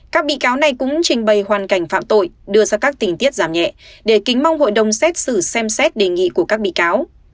các bị cáo này cũng trình bày hoàn cảnh phạm tội đưa ra các tình tiết giảm nhẹ để kính mong hội đồng xét xử xem xét đề nghị của các bị cáo